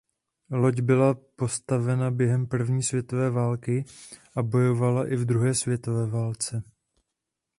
Loď byla postavena během první světové války a bojovala i v druhé světové válce.